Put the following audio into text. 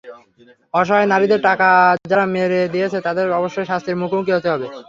অসহায় নারীদের টাকা যারা মেরে দিয়েছে, তাদের অবশ্যই শাস্তির মুখোমুখি হতে হবে।